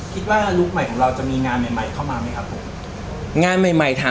คิดว่าลุคใหม่ของเราจะมีงานใหม่เข้ามาไหมครับ